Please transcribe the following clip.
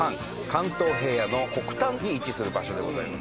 関東平野の北端に位置する場所でございます。